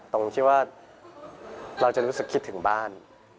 ตรงที่ว่าเราจะรู้สึกคิดถึงบ้าน